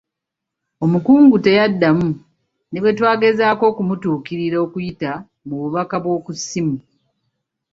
Omukungu teyaddamu ne bwe twagezaako okumutuukirira okuyita mu bubaka bw'oku ssimu.